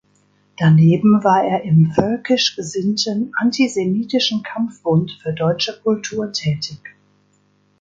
Daneben war er im völkisch gesinnten, antisemitischen Kampfbund für deutsche Kultur tätig.